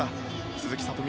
鈴木聡美